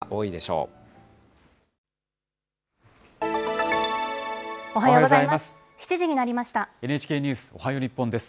おはようございます。